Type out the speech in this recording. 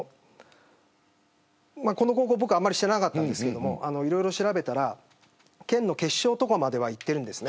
この高校、僕あまり知らなかったんですけど調べたら県の決勝とかまではいっているんです。